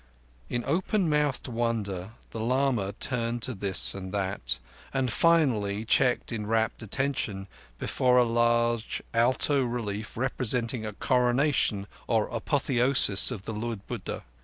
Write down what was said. In open mouthed wonder the lama turned to this and that, and finally checked in rapt attention before a large alto relief representing a coronation or apotheosis of the Lord Buddha.